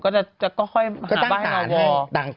ก็ค่อยหาบ้านให้นอวอ